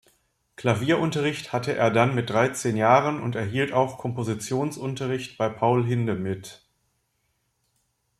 Klavierunterricht hatte er dann mit dreizehn Jahren und erhielt auch Kompositionsunterricht bei Paul Hindemith.